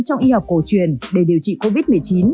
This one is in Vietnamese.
trong y học cổ truyền để điều trị covid một mươi chín